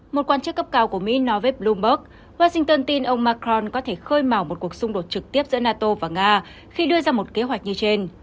một quan chức cấp cao của mỹ nave bloomberg washington tin ông macron có thể khơi màu một cuộc xung đột trực tiếp giữa nato và nga khi đưa ra một kế hoạch như trên